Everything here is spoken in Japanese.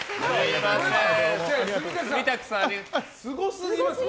すごすぎました。